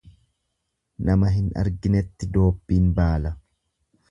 Nama hin arginetti doobbiin baala.